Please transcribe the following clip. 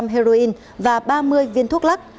heroin và ba mươi viên thuốc lắc